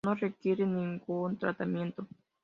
No requiere ningún tratamiento.